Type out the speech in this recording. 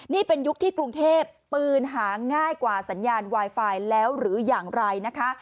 นี่เป็นยุคที่กรุงเทพปืนหาง่ายกว่าสัญญาณไวไฟแล้วหรืออย่างไรนะคะ